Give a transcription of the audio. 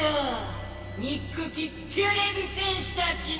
にっくきてれび戦士たちの。